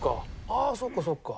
ああそっかそっか。